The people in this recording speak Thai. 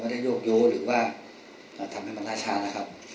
ที่กลุ่มผมให้มันได้รับแค่ครับ